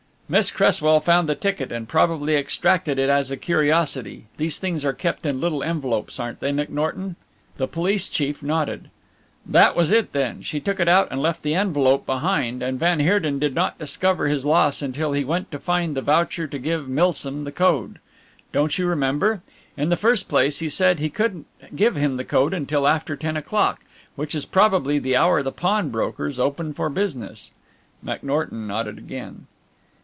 "Miss Cresswell found the ticket and probably extracted it as a curiosity. These things are kept in little envelopes, aren't they, McNorton?" The police chief nodded. "That was it, then. She took it out and left the envelope behind, and van Heerden did not discover his loss until he went to find the voucher to give Milsom the code. Don't you remember? In the first place he said he couldn't give him the code until after ten o'clock, which is probably the hour the pawnbrokers open for business." McNorton nodded again.